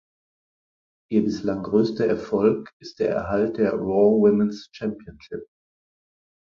Ihr bislang größter Erfolg ist der Erhalt der Raw Women’s Championship.